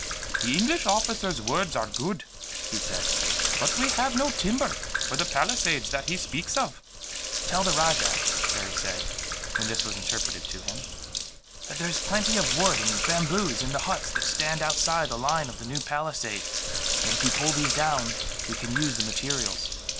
"The English officer's words are good," he said, "but we have no timber for the palisades that he speaks of." "Tell the rajah," Harry said, when this was interpreted to him, "that there is plenty of wood and bamboos in the huts that stand outside the line of the new palisade; and that if we pull these down, we can use the materials.